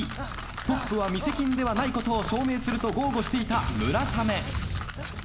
トップは見せ筋ではないことを証明すると豪語していた村雨。